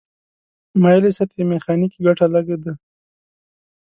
مایلې سطحې میخانیکي ګټه لږه ده.